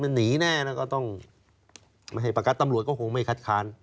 มึงหนีแน่ก็ต้องให้ประกันตำรวจไม่คัดคาน